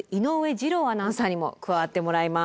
二郎アナウンサーにも加わってもらいます。